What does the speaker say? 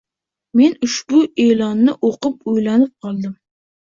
Men ushbu e`lonni o`qib, o`ylanib qoldim